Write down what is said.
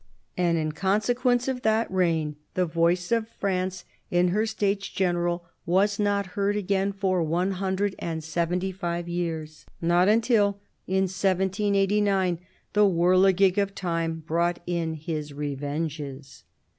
And in consequence of that reign the voice of France in her States General was not heard again for one hundred and seventy five years— not until, in 1789, " the whirligig of Time brought in his revenges."